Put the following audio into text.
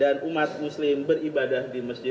dan harus terus menjadi tempat di mana warga yahudi berdoa